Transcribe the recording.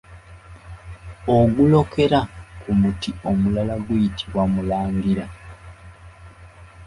Ogulokera ku muti omulala guyitibwa mulangira.